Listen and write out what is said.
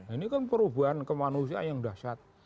ini kan perubahan ke manusia yang dahsyat